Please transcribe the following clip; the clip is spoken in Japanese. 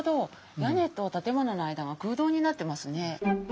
屋根と建物の間が空洞になってますね。